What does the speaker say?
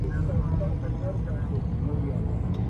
څېړونکی باید له ټولنپوهني سره اشنا وي.